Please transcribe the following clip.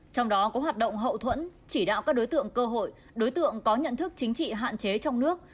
trong đó có hoạt động hậu thuẫn chỉ đạo các đối tượng cơ hội đối tượng có nhận thức chính trị hạn chế trong nước